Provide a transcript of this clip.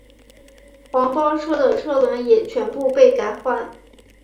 黄包车的车轮也全部被改换。